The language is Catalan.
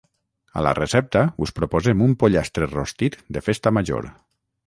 A la recepta us proposem un pollastre rostit de Festa Major